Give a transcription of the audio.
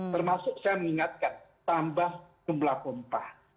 termasuk saya mengingatkan tambah jumlah pompa